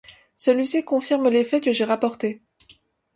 Celui-ci confirme les faits que j’ai rapportés.